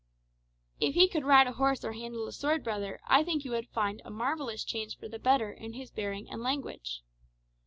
"If he could ride a horse or handle a sword, brother, I think you would find a marvellous change for the better in his bearing and language.